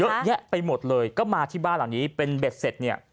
เยอะแยะไปหมดเลยก็มาที่บ้านหลังนี้เป็นเบ็ดเสร็จเนี่ย